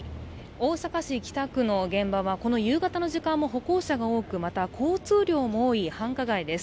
大阪市北区の現場はこの夕方の時間も歩行者が多く、また交通量も多い繁華街です。